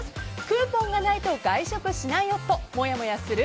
クーポンがないと外食しない夫もやもやする？